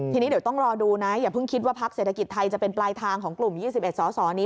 ทีนี้เดี๋ยวต้องรอดูนะอย่าเพิ่งคิดว่าพักเศรษฐกิจไทยจะเป็นปลายทางของกลุ่ม๒๑สอสอนี้